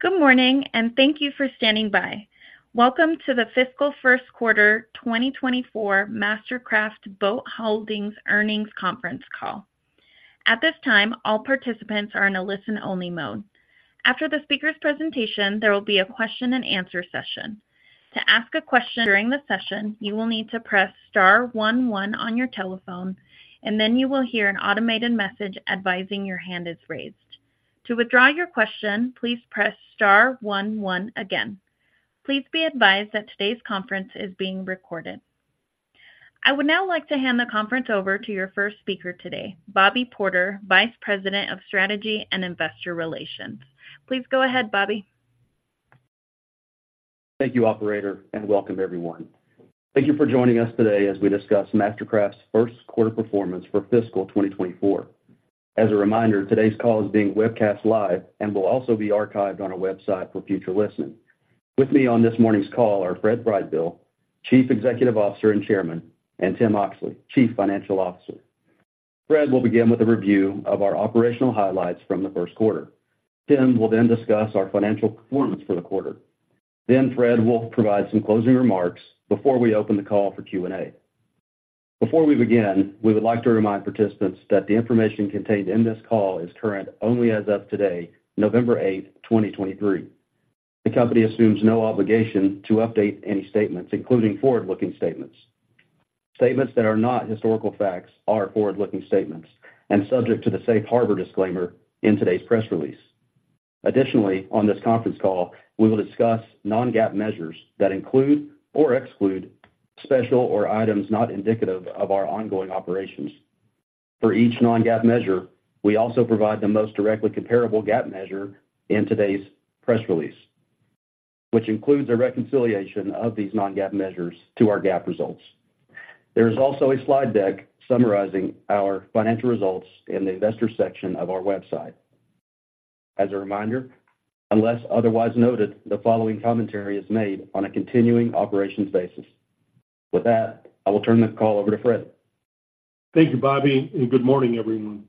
Good morning, and thank you for standing by. Welcome to the fiscal first quarter 2024 MasterCraft Boat Holdings earnings conference call. At this time, all participants are in a listen-only mode. After the speaker's presentation, there will be a question-and-answer session. To ask a question during the session, you will need to press star one one on your telephone, and then you will hear an automated message advising your hand is raised. To withdraw your question, please press star one one again. Please be advised that today's conference is being recorded. I would now like to hand the conference over to your first speaker today, Bobby Potter, Vice President of Strategy and Investor Relations. Please go ahead, Bobby. Thank you, operator, and welcome everyone. Thank you for joining us today as we discuss MasterCraft's first quarter performance for fiscal 2024. As a reminder, today's call is being webcast live and will also be archived on our website for future listening. With me on this morning's call are Fred Brightbill, Chief Executive Officer and Chairman, and Tim Oxley, Chief Financial Officer. Fred will begin with a review of our operational highlights from the first quarter. Tim will then discuss our financial performance for the quarter. Then Fred will provide some closing remarks before we open the call for Q&A. Before we begin, we would like to remind participants that the information contained in this call is current only as of today, November eighth, 2023. The company assumes no obligation to update any statements, including forward-looking statements. Statements that are not historical facts are forward-looking statements and subject to the safe harbor disclaimer in today's press release. Additionally, on this conference call, we will discuss non-GAAP measures that include or exclude special items or items not indicative of our ongoing operations. For each non-GAAP measure, we also provide the most directly comparable GAAP measure in today's press release, which includes a reconciliation of these non-GAAP measures to our GAAP results. There is also a slide deck summarizing our financial results in the investor section of our website. As a reminder, unless otherwise noted, the following commentary is made on a continuing operations basis. With that, I will turn the call over to Fred. Thank you, Bobby, and good morning, everyone.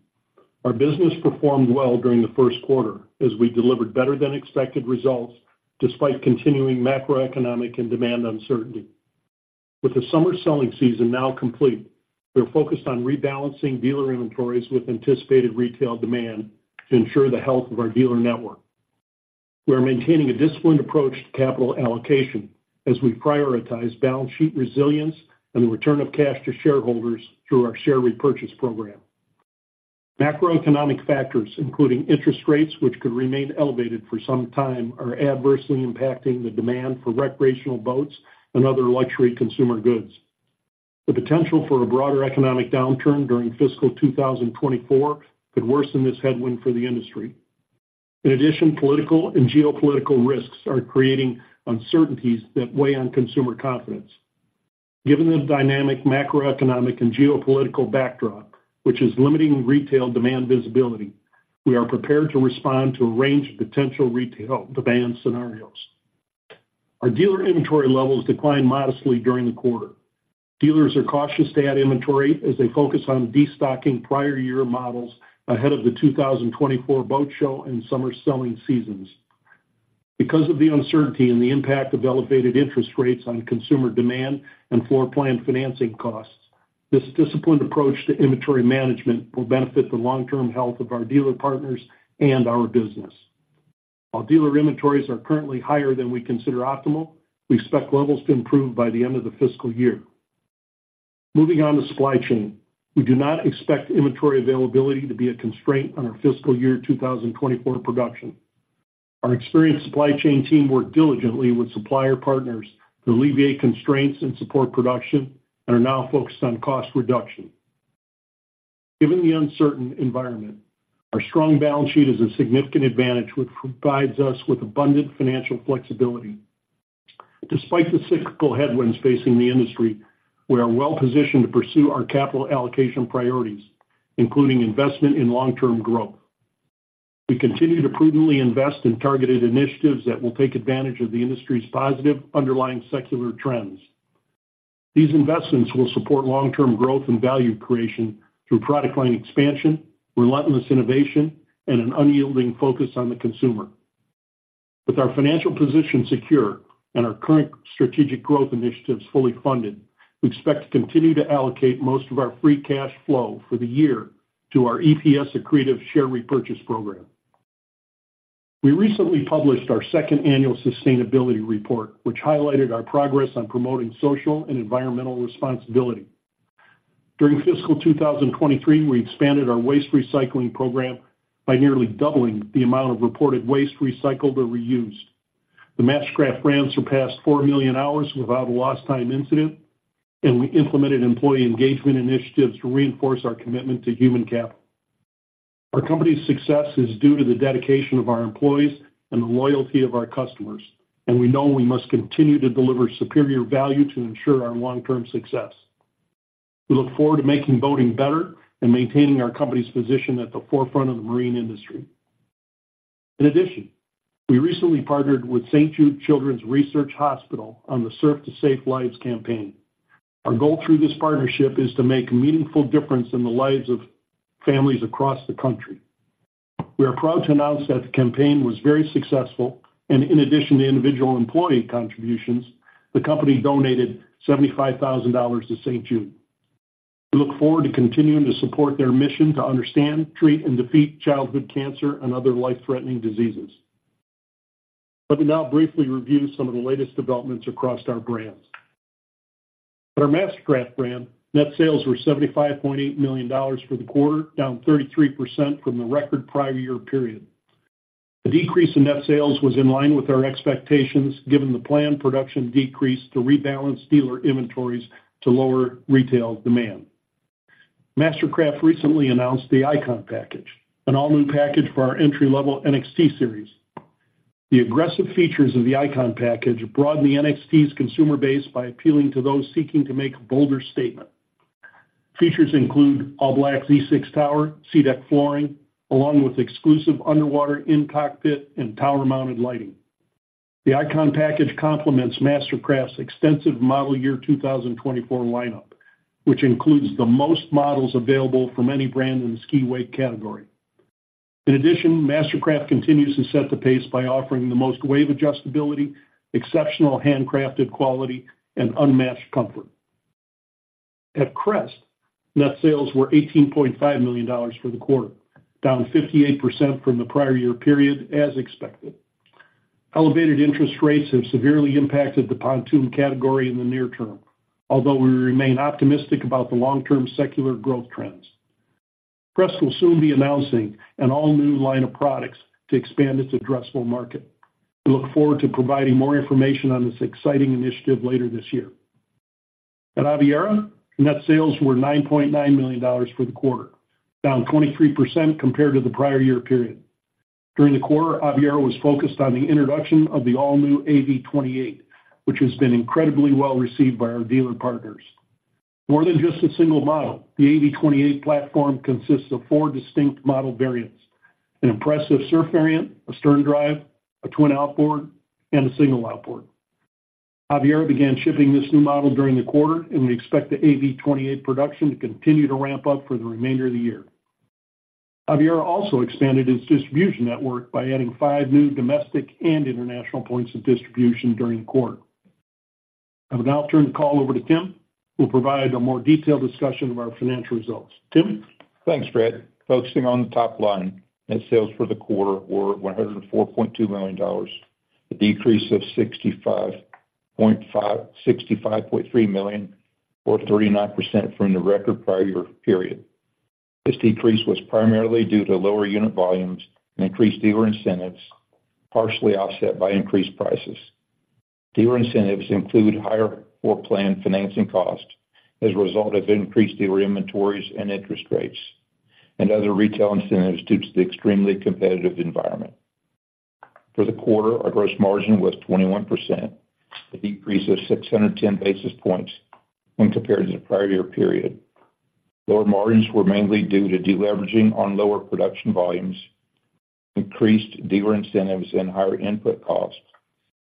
Our business performed well during the first quarter as we delivered better-than-expected results despite continuing macroeconomic and demand uncertainty. With the summer selling season now complete, we're focused on rebalancing dealer inventories with anticipated retail demand to ensure the health of our dealer network. We are maintaining a disciplined approach to capital allocation as we prioritize balance sheet resilience and the return of cash to shareholders through our share repurchase program. Macroeconomic factors, including interest rates, which could remain elevated for some time, are adversely impacting the demand for recreational boats and other luxury consumer goods. The potential for a broader economic downturn during fiscal 2024 could worsen this headwind for the industry. In addition, political and geopolitical risks are creating uncertainties that weigh on consumer confidence. Given the dynamic macroeconomic and geopolitical backdrop, which is limiting retail demand visibility, we are prepared to respond to a range of potential retail demand scenarios. Our dealer inventory levels declined modestly during the quarter. Dealers are cautious to add inventory as they focus on destocking prior year models ahead of the 2024 boat show and summer selling seasons. Because of the uncertainty and the impact of elevated interest rates on consumer demand and floor plan financing costs, this disciplined approach to inventory management will benefit the long-term health of our dealer partners and our business. While dealer inventories are currently higher than we consider optimal, we expect levels to improve by the end of the fiscal year. Moving on to supply chain. We do not expect inventory availability to be a constraint on our fiscal year 2024 production. Our experienced supply chain team worked diligently with supplier partners to alleviate constraints and support production and are now focused on cost reduction. Given the uncertain environment, our strong balance sheet is a significant advantage which provides us with abundant financial flexibility. Despite the cyclical headwinds facing the industry, we are well positioned to pursue our capital allocation priorities, including investment in long-term growth. We continue to prudently invest in targeted initiatives that will take advantage of the industry's positive underlying secular trends. These investments will support long-term growth and value creation through product line expansion, relentless innovation, and an unyielding focus on the consumer. With our financial position secure and our current strategic growth initiatives fully funded, we expect to continue to allocate most of our free cash flow for the year to our EPS accretive share repurchase program. We recently published our second annual sustainability report, which highlighted our progress on promoting social and environmental responsibility. During fiscal 2023, we expanded our waste recycling program by nearly doubling the amount of reported waste recycled or reused. The MasterCraft brand surpassed 4 million hours without a lost time incident, and we implemented employee engagement initiatives to reinforce our commitment to human capital. Our company's success is due to the dedication of our employees and the loyalty of our customers, and we know we must continue to deliver superior value to ensure our long-term success. We look forward to making boating better and maintaining our company's position at the forefront of the marine industry. In addition, we recently partnered with St. Jude Children's Research Hospital on the Surf to Save Lives campaign.... Our goal through this partnership is to make a meaningful difference in the lives of families across the country. We are proud to announce that the campaign was very successful, and in addition to individual employee contributions, the company donated $75,000 to St. Jude. We look forward to continuing to support their mission to understand, treat, and defeat childhood cancer and other life-threatening diseases. Let me now briefly review some of the latest developments across our brands. At our MasterCraft brand, net sales were $75.8 million for the quarter, down 33% from the record prior year period. The decrease in net sales was in line with our expectations, given the planned production decrease to rebalance dealer inventories to lower retail demand. MasterCraft recently announced the Icon Package, an all-new package for our entry-level NXT series. The aggressive features of the Icon Package broaden the NXT's consumer base by appealing to those seeking to make a bolder statement. Features include all-black Z6 tower, SeaDek flooring, along with exclusive underwater in-cockpit and tower-mounted lighting. The Icon Package complements MasterCraft's extensive model year 2024 lineup, which includes the most models available from any brand in the ski/wake category. In addition, MasterCraft continues to set the pace by offering the most wave adjustability, exceptional handcrafted quality, and unmatched comfort. At Crest, net sales were $18.5 million for the quarter, down 58% from the prior year period, as expected. Elevated interest rates have severely impacted the pontoon category in the near term, although we remain optimistic about the long-term secular growth trends. Crest will soon be announcing an all-new line of products to expand its addressable market. We look forward to providing more information on this exciting initiative later this year. At Aviara, net sales were $9.9 million for the quarter, down 23% compared to the prior year period. During the quarter, Aviara was focused on the introduction of the all-new AV28, which has been incredibly well-received by our dealer partners. More than just a single model, the AV28 platform consists of four distinct model variants: an impressive surf variant, a sterndrive, a twin outboard, and a single outboard. Aviara began shipping this new model during the quarter, and we expect the AV28 production to continue to ramp up for the remainder of the year. Aviara also expanded its distribution network by adding five new domestic and international points of distribution during the quarter. I will now turn the call over to Tim, who will provide a more detailed discussion of our financial results. Tim? Thanks, Fred. Focusing on the top line, net sales for the quarter were $104.2 million, a decrease of $65.5 million-$65.3 million, or 39% from the record prior year period. This decrease was primarily due to lower unit volumes and increased dealer incentives, partially offset by increased prices. Dealer incentives include higher floor plan financing costs as a result of increased dealer inventories and interest rates, and other retail incentives due to the extremely competitive environment. For the quarter, our gross margin was 21%, a decrease of 610 basis points when compared to the prior year period. Lower margins were mainly due to deleveraging on lower production volumes, increased dealer incentives, and higher input costs,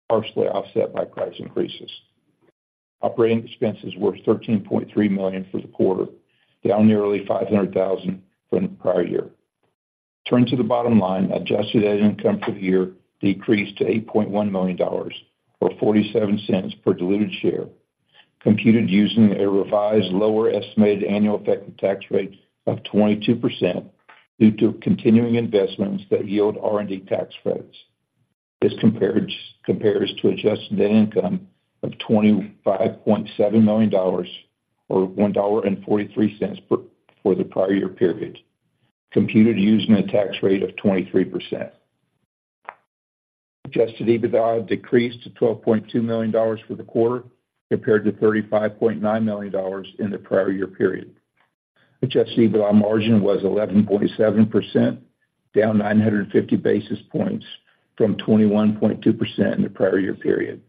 partially offset by price increases. Operating expenses were $13.3 million for the quarter, down nearly $500,000 from the prior year. Turning to the bottom line, adjusted net income for the year decreased to $8.1 million, or $0.47 per diluted share, computed using a revised lower estimated annual effective tax rate of 22% due to continuing investments that yield R&D tax credits. This compares to adjusted net income of $25.7 million or $1.43 per for the prior year period, computed using a tax rate of 23%. Adjusted EBITDA decreased to $12.2 million for the quarter, compared to $35.9 million in the prior year period. Adjusted EBITDA margin was 11.7%, down 950 basis points from 21.2% in the prior year period.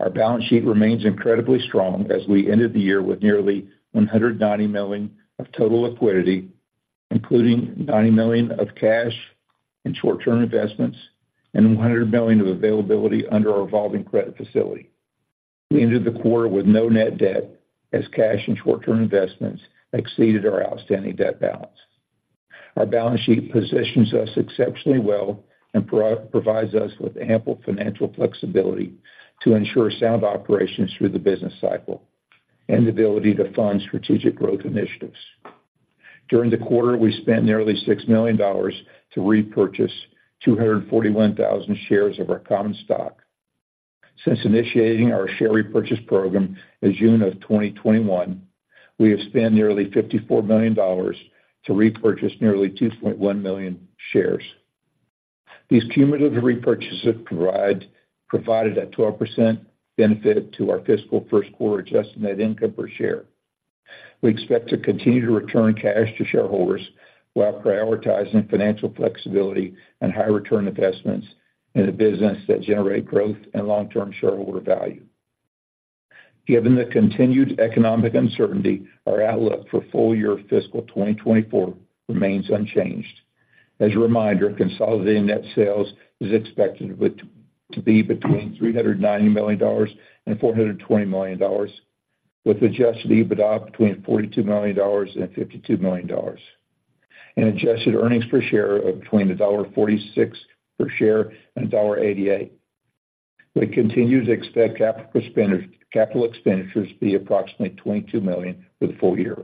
Our balance sheet remains incredibly strong as we ended the year with nearly $190 million of total liquidity, including $90 million of cash and short-term investments and $100 million of availability under our revolving credit facility. We ended the quarter with no net debt, as cash and short-term investments exceeded our outstanding debt balance. Our balance sheet positions us exceptionally well and provides us with ample financial flexibility to ensure sound operations through the business cycle and the ability to fund strategic growth initiatives. During the quarter, we spent nearly $6 million to repurchase 241,000 shares of our common stock. Since initiating our share repurchase program in June 2021, we have spent nearly $54 million to repurchase nearly 2.1 million shares. These cumulative repurchases provided a 12% benefit to our fiscal first quarter adjusted net income per share. We expect to continue to return cash to shareholders while prioritizing financial flexibility and high return investments in the business that generate growth and long-term shareholder value. Given the continued economic uncertainty, our outlook for full-year fiscal 2024 remains unchanged... As a reminder, consolidated net sales is expected to be between $390 million and $420 million, with Adjusted EBITDA between $42 million and $52 million, and adjusted earnings per share of between $1.46 per share and $1.88. We continue to expect capital expenditures to be approximately $22 million for the full year.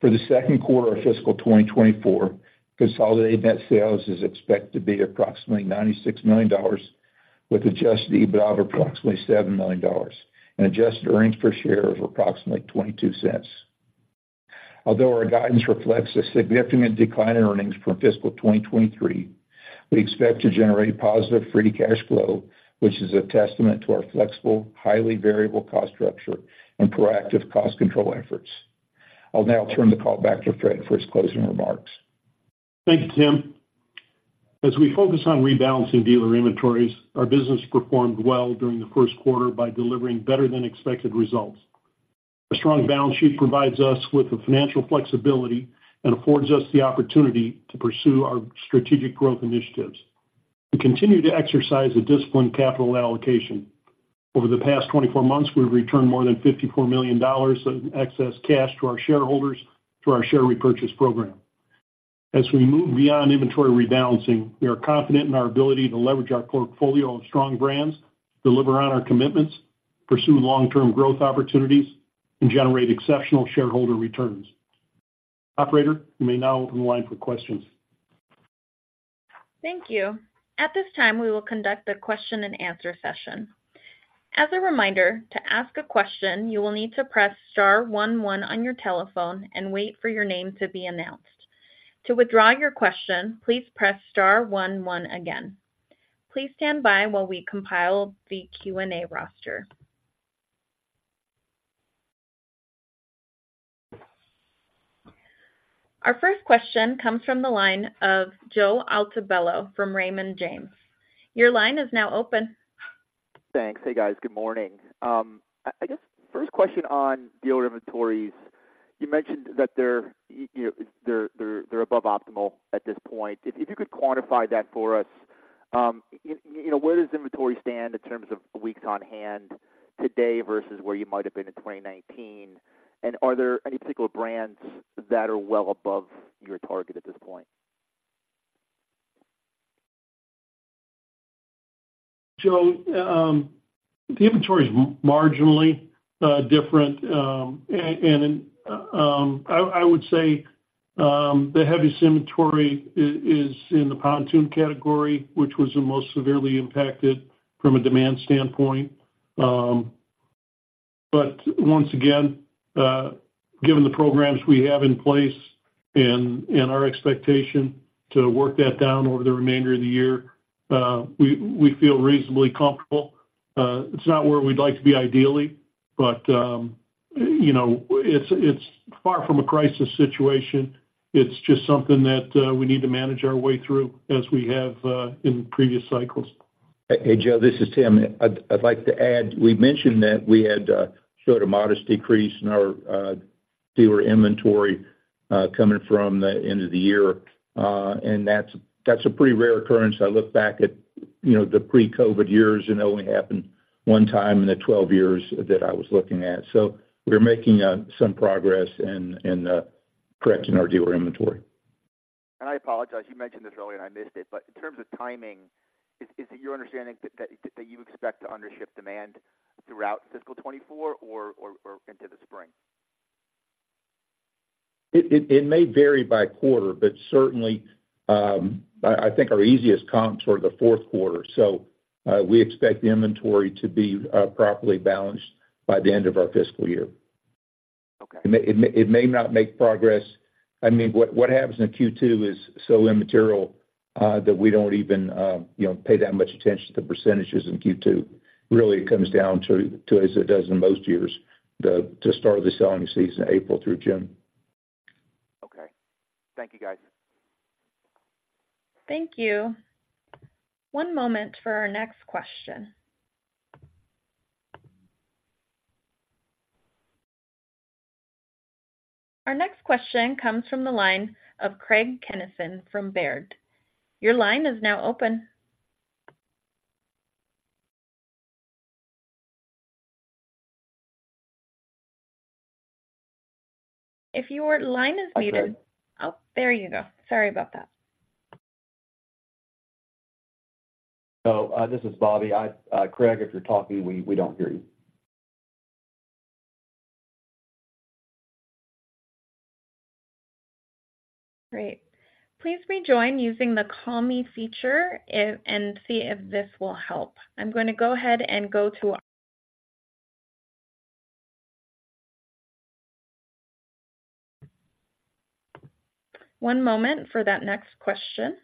For the second quarter of fiscal 2024, consolidated net sales is expected to be approximately $96 million, with adjusted EBITDA of approximately $7 million and adjusted earnings per share of approximately $0.22. Although our guidance reflects a significant decline in earnings from fiscal 2023, we expect to generate positive free cash flow, which is a testament to our flexible, highly variable cost structure and proactive cost control efforts. I'll now turn the call back to Fred for his closing remarks. Thank you, Tim. As we focus on rebalancing dealer inventories, our business performed well during the first quarter by delivering better-than-expected results. A strong balance sheet provides us with the financial flexibility and affords us the opportunity to pursue our strategic growth initiatives. We continue to exercise a disciplined capital allocation. Over the past 24 months, we've returned more than $54 million of excess cash to our shareholders through our share repurchase program. As we move beyond inventory rebalancing, we are confident in our ability to leverage our portfolio of strong brands, deliver on our commitments, pursue long-term growth opportunities, and generate exceptional shareholder returns. Operator, you may now open the line for questions. Thank you. At this time, we will conduct a question-and-answer session. As a reminder, to ask a question, you will need to press star one, one on your telephone and wait for your name to be announced. To withdraw your question, please press star one, one again. Please stand by while we compile the Q&A roster. Our first question comes from the line of Joe Altobello from Raymond James. Your line is now open. Thanks. Hey, guys, good morning. I guess, first question on dealer inventories. You mentioned that they're, you know, above optimal at this point. If you could quantify that for us, you know, where does inventory stand in terms of weeks on hand today versus where you might have been in 2019? And are there any particular brands that are well above your target at this point? Joe, the inventory is marginally different. And I would say the heaviest inventory is in the pontoon category, which was the most severely impacted from a demand standpoint. But once again, given the programs we have in place and our expectation to work that down over the remainder of the year, we feel reasonably comfortable. It's not where we'd like to be ideally, but you know, it's far from a crisis situation. It's just something that we need to manage our way through as we have in previous cycles. Hey, Joe, this is Tim. I'd, I'd like to add, we mentioned that we had showed a modest decrease in our dealer inventory coming from the end of the year, and that's, that's a pretty rare occurrence. I look back at, you know, the pre-COVID years, and it only happened one time in the 12 years that I was looking at. So we're making some progress in correcting our dealer inventory. I apologize, you mentioned this earlier, and I missed it, but in terms of timing, is it your understanding that you expect to undership demand throughout fiscal 2024 or into the spring? It may vary by quarter, but certainly, I think our easiest comps were the fourth quarter, so we expect the inventory to be properly balanced by the end of our fiscal year. Okay. It may not make progress. I mean, what happens in Q2 is so immaterial that we don't even, you know, pay that much attention to percentages in Q2. Really, it comes down to as it does in most years, the start of the selling season, April through June. Okay. Thank you, guys. Thank you. One moment for our next question. Our next question comes from the line of Craig Kennison from Baird. Your line is now open. If your line is muted- I can- Oh, there you go. Sorry about that. So, this is Bobby. Craig, if you're talking, we don't hear you. Great. Please rejoin using the Call Me feature and see if this will help. I'm going to go ahead and go to... One moment for that next question.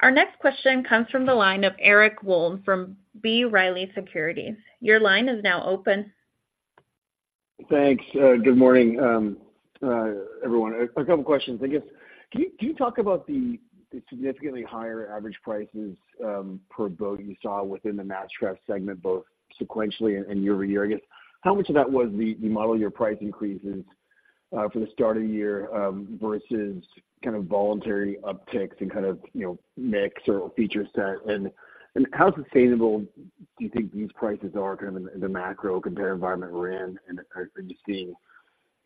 Our next question comes from the line of Eric Wold from B. Riley Securities. Your line is now open. Thanks. Good morning, everyone. A couple questions, I guess. Can you talk about the significantly higher average prices per boat you saw within the MasterCraft segment, both sequentially and year over year? I guess, how much of that was the model year price increases?... for the start of the year, versus kind of voluntary upticks and kind of, you know, mix or feature set? And how sustainable do you think these prices are kind of in the macro compare environment we're in? And are you seeing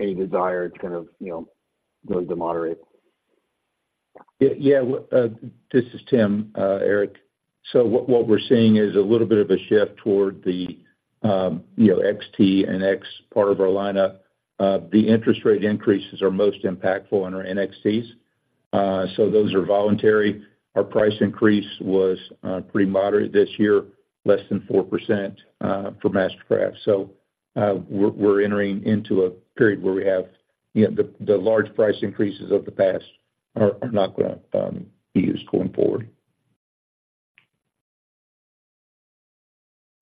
any desire to kind of, you know, those to moderate? Yeah. Well, this is Tim, Eric. So what we're seeing is a little bit of a shift toward the, you know, XT and X part of our lineup. The interest rate increases are most impactful on our NXTs. So those are voluntary. Our price increase was pretty moderate this year, less than 4%, for MasterCraft. So, we're entering into a period where we have, you know, the large price increases of the past are not gonna be used going forward.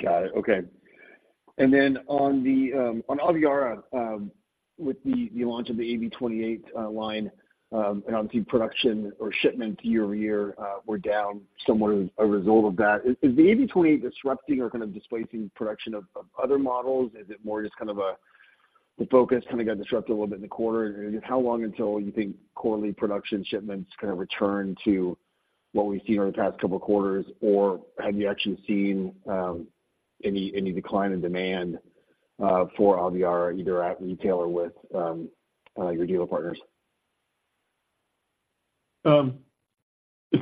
Got it. Okay. And then on the on Aviara with the the launch of the AV28 line and obviously production or shipment year-over-year were down somewhat as a result of that. Is the AV28 disrupting or kind of displacing production of other models? Is it more just kind of a the focus kind of got disrupted a little bit in the quarter? And how long until you think quarterly production shipments kind of return to what we've seen over the past couple of quarters? Or have you actually seen any decline in demand for Aviara either at retail or with your dealer partners? The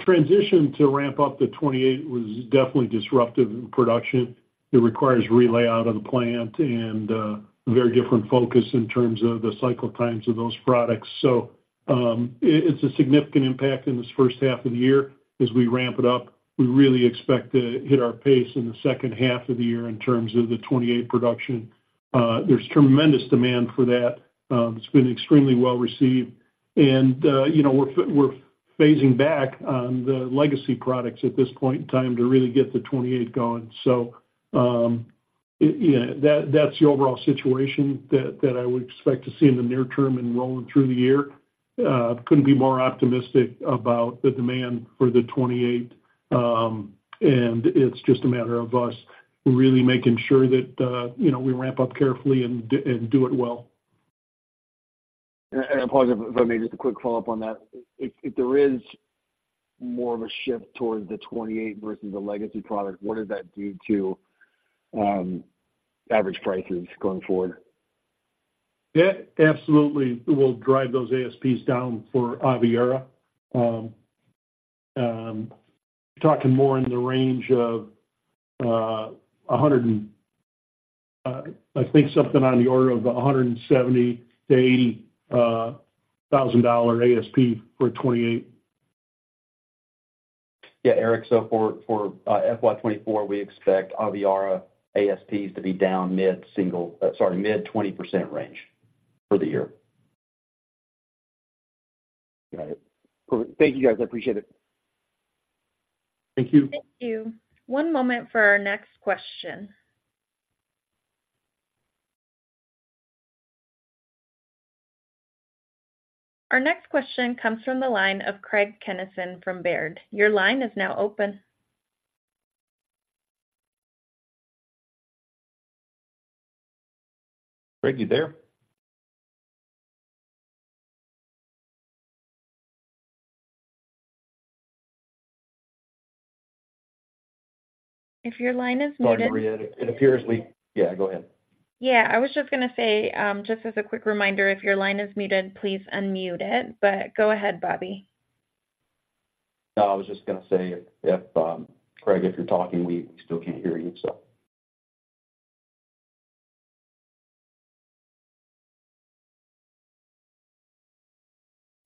transition to ramp up the AV28 was definitely disruptive in production. It requires re-layout of the plant and very different focus in terms of the cycle times of those products. So, it's a significant impact in this first half of the year. As we ramp it up, we really expect to hit our pace in the second half of the year in terms of the AV28 production. There's tremendous demand for that. It's been extremely well received. And, you know, we're phasing back on the legacy products at this point in time to really get the AV28 going. So, yeah, that's the overall situation that I would expect to see in the near term and rolling through the year. Couldn't be more optimistic about the demand for the AV28. It's just a matter of us really making sure that, you know, we ramp up carefully and do it well. I apologize if I may, just a quick follow-up on that. If there is more of a shift towards the AV28 versus the legacy product, what does that do to average prices going forward? Yeah, absolutely. We'll drive those ASPs down for Aviara. Talking more in the range of, I think, something on the order of $170,000-$180,000 ASP for AV28. Yeah, Eric, so for FY 2024, we expect Aviara ASPs to be down mid-20% range for the year. Got it. Perfect. Thank you, guys. I appreciate it. Thank you. Thank you. One moment for our next question. Our next question comes from the line of Craig Kennison from Baird. Your line is now open. Craig, you there? If your line is muted. Sorry, Maria, it appears we... Yeah, go ahead. Yeah, I was just gonna say, just as a quick reminder, if your line is muted, please unmute it. But go ahead, Bobby. No, I was just gonna say, if, Craig, if you're talking, we, we still can't hear you, so.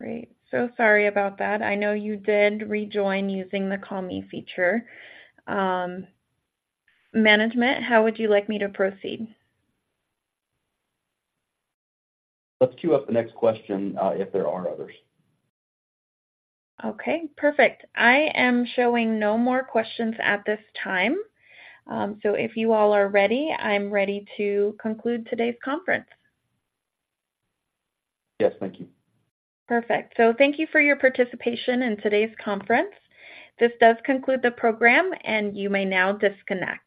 Great. Sorry about that. I know you did rejoin using the Call Me feature. Management, how would you like me to proceed? Let's queue up the next question, if there are others. Okay, perfect. I am showing no more questions at this time. So if you all are ready, I'm ready to conclude today's conference. Yes, thank you. Perfect. So thank you for your participation in today's conference. This does conclude the program, and you may now disconnect.